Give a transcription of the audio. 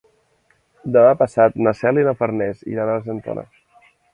Demà passat na Cel i na Farners iran a Argentona.